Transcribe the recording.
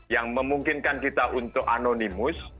yang memungkinkan kita untuk anonimus